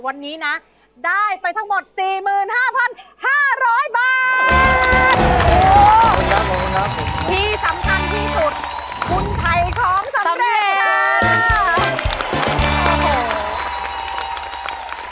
วันนี้นะได้ไปทั้งหมด๔๕๕๐๐บาท